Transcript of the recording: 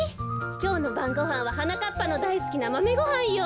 きょうのばんごはんははなかっぱのだいすきなマメごはんよ。